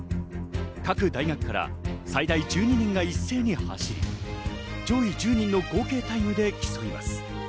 各大学から最大１２人が一斉に走り、上位１０人の合計タイムで競います。